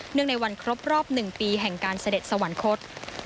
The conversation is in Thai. ในวันครบรอบ๑ปีแห่งการเสด็จสวรรคต